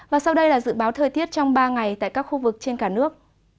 và sau đây là dự báo thời tiết trong ba ngày tại các khu vực trên cả nước